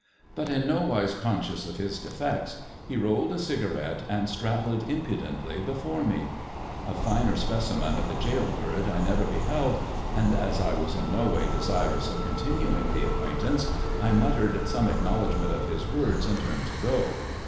But, in nowise conscious of his defects, he rolled a cigarette and straddled impudently before me. A finer specimen of the gaol bird I never beheld, and as I was in no way desirous of continuing the acquaintance I muttered some acknow ledgment of his words and turned to go.